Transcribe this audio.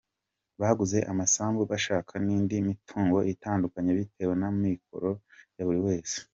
Baguze amasambu bashaka n’indi mitungo itandukanye bitewe n’amikoro ya buri wese.